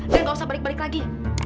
dan gak usah balik balik lagi